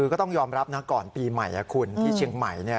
ก็ต้องยอมรับนะก่อนปีใหม่คุณที่เชียงใหม่